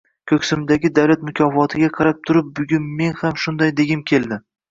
Koʻksimdagi davlat mukofotiga qarab turib bugun men ham bunday degim keldi.